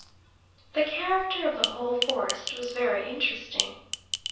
The character of the whole forest was very interesting.